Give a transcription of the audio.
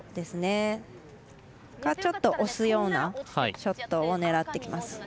それかちょっと押すようなショットを狙ってきます。